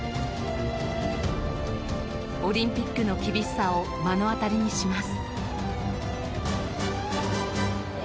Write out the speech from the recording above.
オリンピックの厳しさを目の当たりにします。